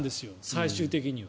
最終的には。